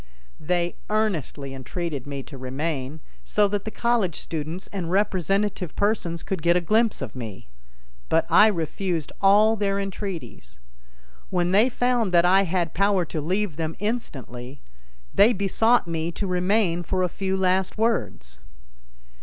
They earnestly entreated me to remain so that the college students and representative persons could get a glimpse of me; but I refused all their entreaties. When they found that I had power to leave them instantly, they besought me to remain for a few last words.